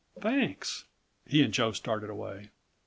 "Thanks." He and Joe started away.